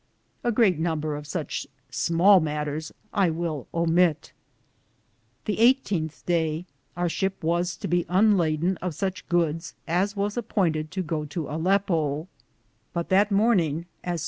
A greate number of suche smale matteres I will omitte. The 1 8th Daye our ship was to be unladen of suche goodes as was appoynted to goo to Alippo* ; but that 1 Scalastead.